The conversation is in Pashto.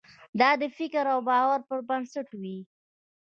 دا د فکر او باور پر بنسټ وي.